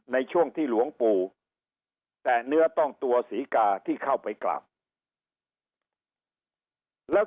ในช่วงที่หลวงปู่แตะเนื้อต้องตัวศรีกาที่เข้าไปกราบแล้ว